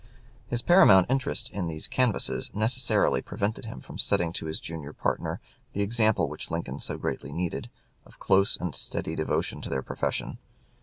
His paramount interest in these canvasses necessarily prevented him from setting to his junior partner the example which Lincoln so greatly needed, of close and steady devotion to their profession.